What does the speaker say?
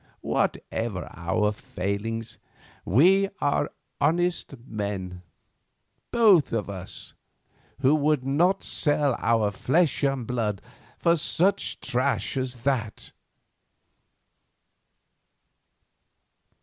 Whatever our failings, we are honest men—both of us, who would not sell our flesh and blood for such trash as that."